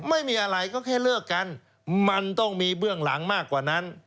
ไม่มีอะไรก็แค่เลิกกันมันต้องมีเบื้องหลังมากกว่านั้น